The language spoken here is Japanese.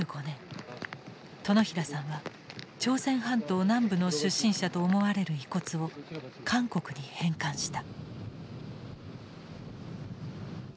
殿平さんは朝鮮半島南部の出身者と思われる遺骨を韓国に返還した。